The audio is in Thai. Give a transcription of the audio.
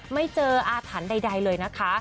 ไม่เจออาถรรพ์ใดเลยนะคะ